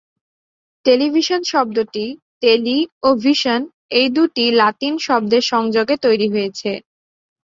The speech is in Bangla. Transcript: টেলিভিশন শব্দটি ‘টেলি’ ও ‘ভিশন’—এই দুটি লাতিন শব্দের সংযোগে তৈরি হয়েছে।